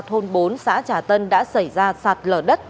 thôn bốn xã trà tân đã xảy ra sạt lở đất